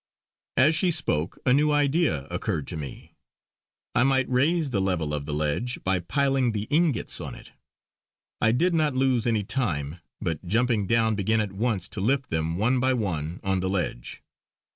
As she spoke a new idea occurred to me. I might raise the level of the ledge by piling the ingots on it! I did not lose any time, but jumping down began at once to lift them one by one on the ledge.